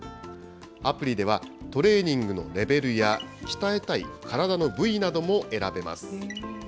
アプリでは、トレーニングのレベルや、鍛えたい体の部位なども選べます。